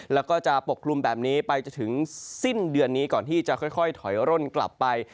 แล้วก็จะปกคลุมแบบนี้ไปจนถึงสิ้นเดือนนี้ก่อนที่จะค่อยถอยร่นกลับไป